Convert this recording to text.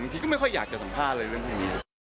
ที่ก็ไม่ค่อยอยากจะสัมภาษณ์อะไรเรื่องพวกนี้